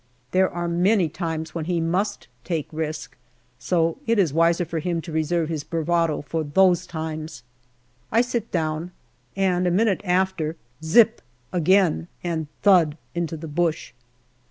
There are many times when he must take risk, so it is wiser for him to reserve his bravado for those times. I sit down, and a minute after, " zi i ip " again, and thud into the bush.